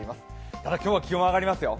ただ今日は気温上がりますよ。